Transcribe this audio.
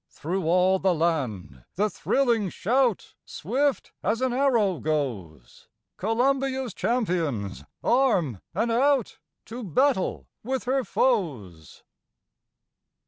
Through all the land the thrilling shout Swift as an arrow goes! Columbia's champions arm and out To battle with her foes!